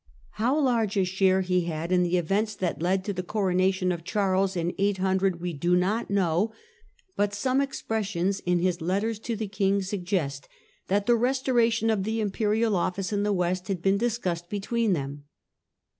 How large a share he had in the events that led to the coronation of Charles in 800 we do not know ; but some expressions in his letters to the king suggest that the restoration of the Imperial office in the West had been discussed between them.